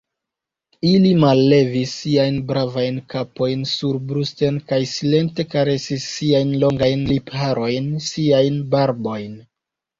Ili mallevis siajn bravajn kapojn surbrusten kaj silente karesis siajn longajn lipharojn, siajn barbojn.